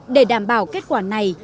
để đảm bảo kết quả này